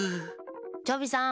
チョビさん！